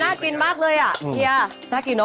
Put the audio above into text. น่ากินมากเลยน่ากินนุก